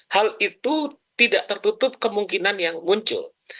hal itu tidak tertutup kemungkinan yang muncul